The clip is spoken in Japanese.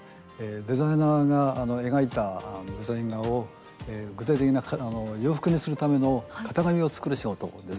デザイナーが描いたデザイン画を具体的な洋服にするための型紙を作る仕事です。